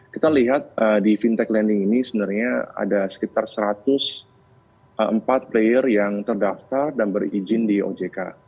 kita lihat di fintech lending ini sebenarnya ada sekitar satu ratus empat player yang terdaftar dan berizin di ojk